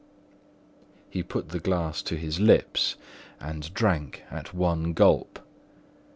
He put the glass to his lips and drank at one gulp.